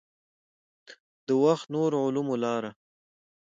د وخت نورو علومو لاره.